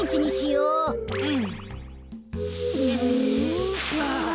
うん。